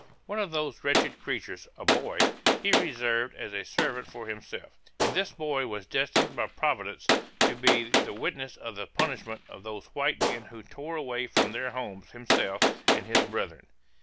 One of those wretched creatures, a boy, he reserved as a servant for himself; and this boy was destined by Providence to be the witness of the punishment of those white men who tore away from their homes himself and his brethren.